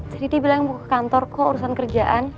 jadi dia bilang mau ke kantor kok urusan kerjaan